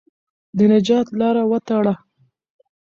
د نجات لاره وتړه.